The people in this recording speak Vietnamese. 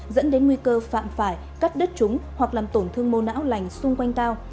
dẫn đến nguy cơ phạm phải cắt đứt chúng hoặc làm tổn thương mổ não lành xung quanh tao